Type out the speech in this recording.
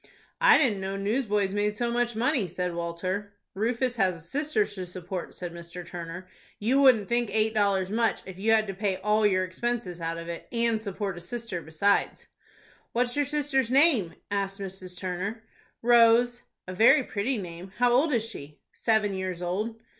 "I didn't know newsboys made so much money," said Walter. "Rufus has a sister to support," said Mr. Turner. "You wouldn't think eight dollars much, if you had to pay all your expenses out of it, and support a sister besides." "What is your sister's name?" asked Mrs. Turner. "Rose." "A very pretty name. How old is she?" "Seven years old."